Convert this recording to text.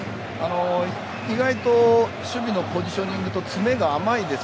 意外と守備のポジショニングと詰めが甘いです。